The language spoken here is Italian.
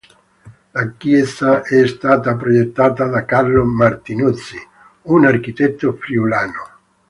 La chiesa è stata progettata da Carlo Martinuzzi, un architetto friulano.